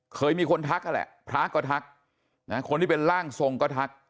เคยมีคนทักนั่นแหละพระก็ทักนะคนที่เป็นร่างทรงก็ทัก